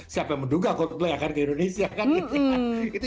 siapa yang menduga coldplay akan ke indonesia kan gitu